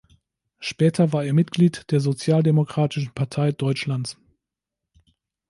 Später war er Mitglied der Sozialdemokratischen Partei Deutschlands.